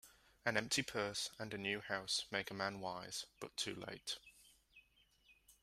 An empty purse, and a new house, make a man wise, but too late.